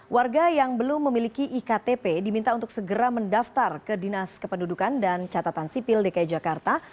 warga yang belum memiliki iktp diminta untuk segera mendaftar ke dinas kependudukan dan catatan sipil dki jakarta